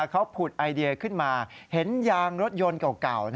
เขาผุดไอเดียขึ้นมาเห็นยางรถยนต์เก่า